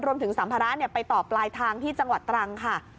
รวมถึงสัมภาระเนี้ยไปต่อปลายทางที่จังหวัดตรังค่ะ